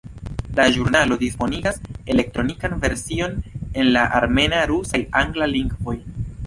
La ĵurnalo disponigas elektronikan version en la armena, rusa kaj angla lingvoj.